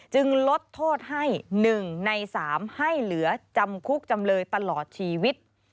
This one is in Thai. ลดโทษให้๑ใน๓ให้เหลือจำคุกจำเลยตลอดชีวิต